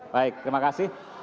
baik terima kasih